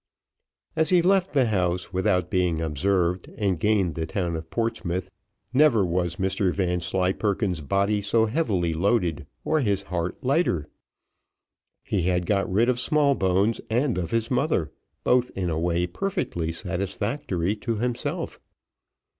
As he left the house without being observed, and gained the town of Portsmouth, never was Mr Vanslyperken's body so heavily loaded, or his heart lighter. He had got rid of Smallbones and of his mother, both in a way perfectly satisfactory to himself.